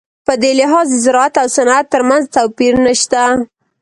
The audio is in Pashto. په دې لحاظ د زراعت او صنعت ترمنځ توپیر نشته.